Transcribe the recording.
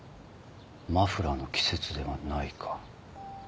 マフラーの季節ではないか。